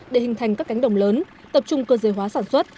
để hình thành các cánh đồng lớn tập trung cơ giới hóa sản xuất